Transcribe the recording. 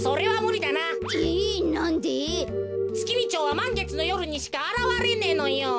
はまんげつのよるにしかあらわれねえのよ。